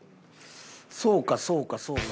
そうかそうかそうか。